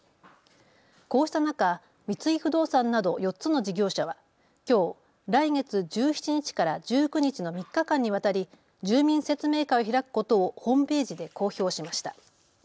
こうした中、三井不動産など４つの事業者はきょう来月１７日から１９日の３日間にわたり住民説明会を開くことをホームページで公表しました。